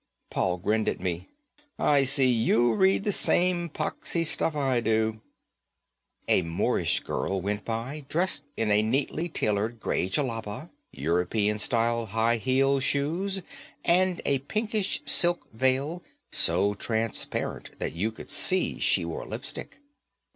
Paul grinned at me. "I see you read the same poxy stuff I do." A Moorish girl went by dressed in a neatly tailored gray jellaba, European style high heeled shoes, and a pinkish silk veil so transparent that you could see she wore lipstick.